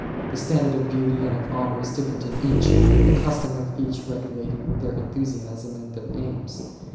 The standard of beauty and of honour is different in each, the custom of each regulating their enthusiasm and their aims.